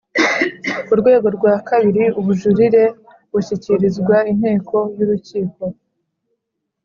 Ku rwego rwa kabiri ubujurire bushyikirizwa Inteko y’urukiko